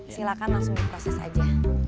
silahkan langsung proses aja